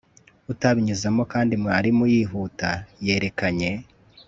utabinyuzemo, kandi mwarimu, yihuta, yerekanye